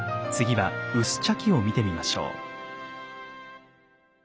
次は薄茶器を見てみましょう。